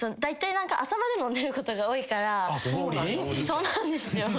そうなんですよ。